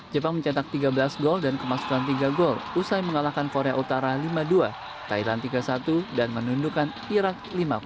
jepang mencetak tiga belas gol dan kemasukan tiga gol usai mengalahkan korea utara lima dua thailand tiga satu dan menundukkan irak lima puluh satu